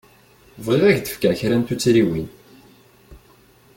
Bɣiɣ ad k-d-fkeɣ kra n tuttriwin.